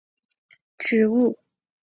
大青树是桑科榕属的植物。